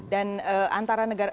dan antara negara